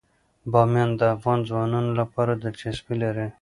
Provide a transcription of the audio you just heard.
بامیان د افغان ځوانانو لپاره دلچسپي لري.